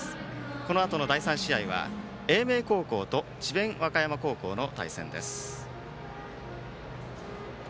このあとの第３試合は英明高校と智弁和歌山高校の対戦。